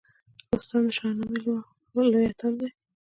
رستم د شاهنامې لوی اتل دی